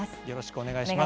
お願いします。